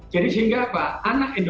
jadi sehingga pak